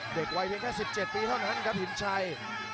เด็กวัยเพียงแค่๑๗ปีเท่านั้นครับหินชัย